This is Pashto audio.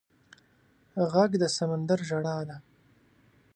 غږ د سمندر ژړا ده